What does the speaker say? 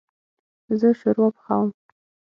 زه شوروا پخوم